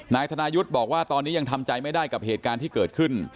นายธนายุทธ์บอกว่าตอนนี้ยังทำใจไม่ได้กับเหตุการณ์ที่เกิดขึ้น